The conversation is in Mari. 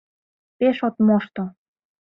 — Пеш от мошто!